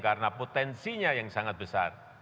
karena potensinya yang sangat besar